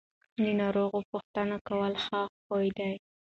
د ناروغ پوښتنه کول ښه خوی دی.